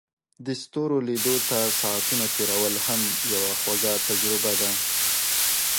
د ستورو لیدو ته ساعتونه تیرول هم یوه خوږه تجربه ده.